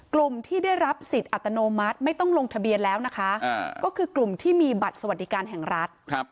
กลุ่มที่ได้รับสิทธิ์อัตโนมัติไม่ต้องลงทะเบียนแล้วนะคะก็คือกลุ่มที่มีบัตรสวัสดิการแห่งรัฐ